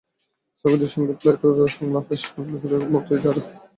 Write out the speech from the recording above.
সক্রেটিসের সঙ্গে প্লেটোর সংলাপের মতোই যাঁর সংলাপ পৃথিবীতে টিকে থাকবে হাজার বছর।